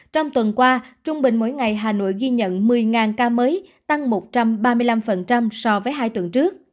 trong tuần qua trung bình mỗi ngày hà nội ghi nhận một mươi ca mới tăng một trăm ba mươi năm so với hai tuần trước